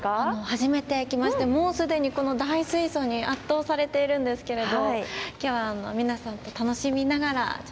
初めて来ましてもうすでにこの大水槽に圧倒されているんですけれど今日は皆さんと楽しみながらちょっとお届けできたらなと思っています。